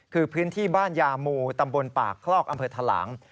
คือพื้นที่บ้านยามูตำบลปากคลอกอำเภอทะหลัง